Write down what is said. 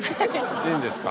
いいんですか？